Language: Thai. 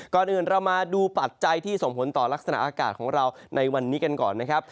ก่อนอื่นเรามาดูปัจจัยที่ส่งผลต่อลักษณะอากาศของเราในวันนี้กันก่อนนะครับ